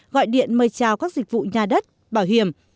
gọi điện mời chào các dịch vụ nhà đất bảo hiểm